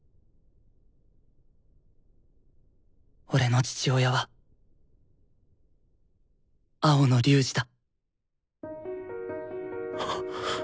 俺の父親は青野龍仁だ。